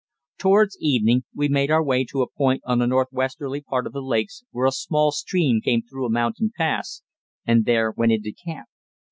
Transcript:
Towards evening we made our way to a point on the northwesterly part of the lakes where a small stream came through a mountain pass, and there went into camp.